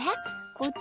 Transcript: こっち？